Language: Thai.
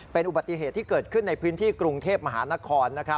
เป็นอุบัติเหตุที่เกิดขึ้นในพื้นที่กรุงเทพมหานคร